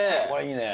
いいね。